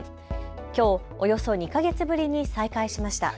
きょうおよそ２か月ぶりに再開しました。